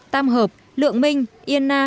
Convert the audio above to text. tam hợp lượng minh yên na